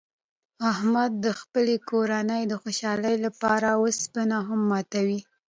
احمد د خپلې کورنۍ د خوشحالۍ لپاره اوسپنې هم ماتوي.